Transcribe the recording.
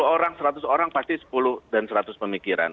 sepuluh orang seratus orang pasti sepuluh dan seratus pemikiran